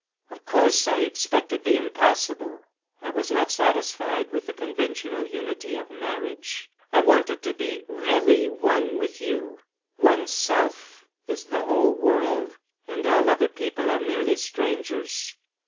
_ _Of course I expected the impossible, I was not satisfied with the conventional unity of marriage; I wanted to be really one with you. Oneself is the whole world, and all other people are merely strangers.